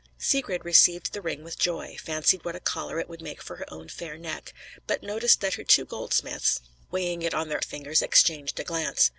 Sigrid received the ring with joy; fancied what a collar it would make for her own fair neck; but noticed that her two goldsmiths, weighing it on their fingers, exchanged a glance.